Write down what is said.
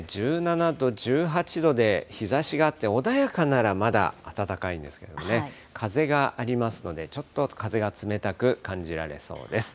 １７度、１８度で日ざしがあって、穏やかならまだ暖かいんですけどね、風がありますので、ちょっと風が冷たく感じられそうです。